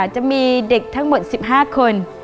จะมีเด็กทั้งหมด๑๕คน